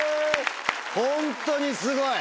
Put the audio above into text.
ホントにすごい。